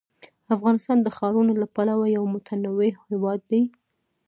افغانستان د ښارونو له پلوه یو متنوع هېواد دی.